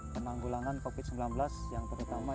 penanggulangan covid sembilan belas yang terutama